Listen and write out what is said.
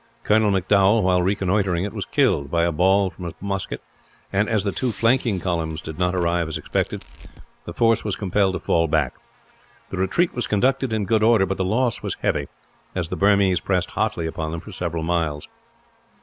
Colonel M'Dowall, while reconnoitring it, was killed by a ball from a musket and, as the two flanking columns did not arrive as expected, the force was compelled to fall back. The retreat was conducted in good order, but the loss was heavy, as the Burmese pressed hotly upon them for several miles.